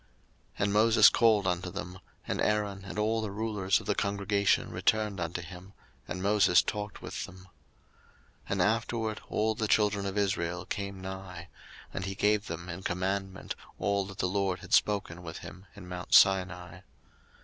02:034:031 And Moses called unto them; and Aaron and all the rulers of the congregation returned unto him: and Moses talked with them. 02:034:032 And afterward all the children of Israel came nigh: and he gave them in commandment all that the LORD had spoken with him in mount Sinai.